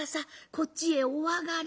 こっちへお上がり」。